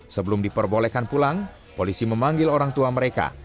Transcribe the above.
sebelum diperbolehkan pulang polisi memanggil orang tua mereka